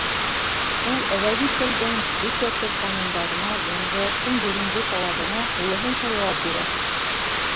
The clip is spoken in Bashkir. Ул әҙәби телдең бөтә төр ҡанундарына, йәмғиәттең бөгөнгө талабына тулыһынса яуап бирә.